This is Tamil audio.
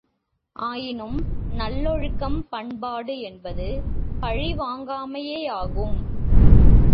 ஆயினும், நல்லொழுக்கம், பண்பாடு என்பது பழிவாங்காமையேயாகும்.